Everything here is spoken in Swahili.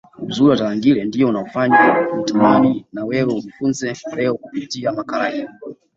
Uzuri wa Tarangire ndio unaofanya nitamani na wewe ujifunze leo kupitia makala hii